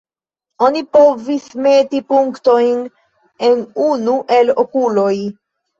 Oni povis meti punktojn en unu el "okuloj".